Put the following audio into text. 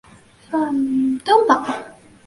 范登堡反应作用产生紫红色的偶氮化合物。